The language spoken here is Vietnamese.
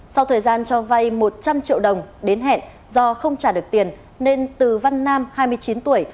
sau thời gian cho vay một trăm linh triệu đồng đến hẹn do không trả được tiền nên từ văn nam hai mươi chín tuổi